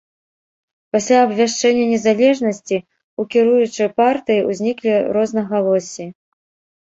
Пасля абвяшчэння незалежнасці, у кіруючай партыі ўзніклі рознагалоссі.